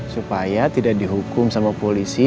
supaya tidak dihukum sama polisi